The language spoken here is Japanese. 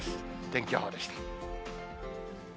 天気予報でした。